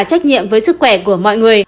trách nhiệm với sức khỏe của mọi người